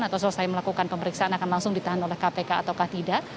atau selesai melakukan pemeriksaan akan langsung ditahan oleh kpk atau tidak